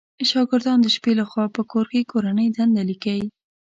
شاګردان د شپې لخوا په کور کې کورنۍ دنده ليکئ